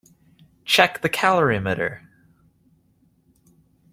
Check the calorimeter.